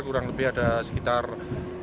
kurang lebih ada sekitar